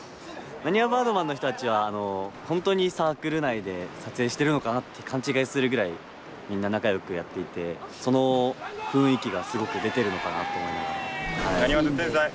なにわバードマンの人たちは本当にサークル内で撮影してるのかなって勘違いするぐらいみんな仲良くやっていてその雰囲気がすごく出てるのかなと思いながら。